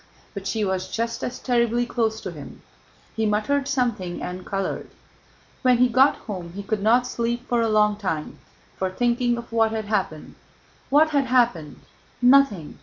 But she was just as terribly close to him. He muttered something and colored. When he got home he could not sleep for a long time for thinking of what had happened. What had happened? Nothing.